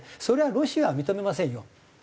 それはロシアは認めませんよ